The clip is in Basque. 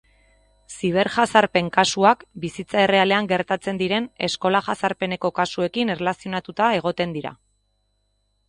Ziberjazarpen kasuak bizitza errealean gertatzen diren eskola-jazarpeneko kasuekin erlazionatuta egoten dira.